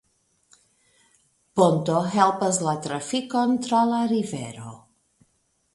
Ponto helpas la trafikon tra la rivero.